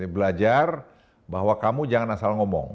belajar bahwa kamu jangan asal ngomong